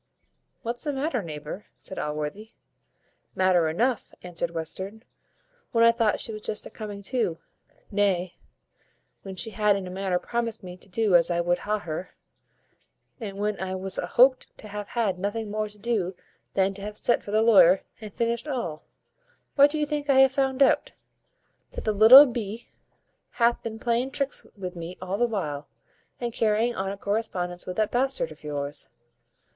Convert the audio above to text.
"What's the matter, neighbour?" said Allworthy. "Matter enough," answered Western: "when I thought she was just a coming to; nay, when she had in a manner promised me to do as I would ha her, and when I was a hoped to have had nothing more to do than to have sent for the lawyer, and finished all; what do you think I have found out? that the little b hath bin playing tricks with me all the while, and carrying on a correspondence with that bastard of yours.